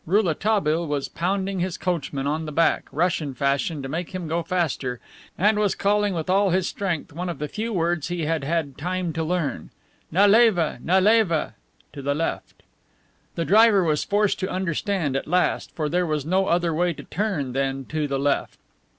Rouletabille was pounding his coachman in the back, Russian fashion, to make him go faster, and was calling with all his strength one of the few words he had had time to learn, "Naleva, naleva" (to the left). The driver was forced to understand at last, for there was no other way to turn than to the left.